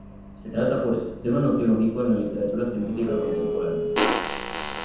Se trata pues, de una noción ubicua en la literatura científica contemporánea.